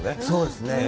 そうですね。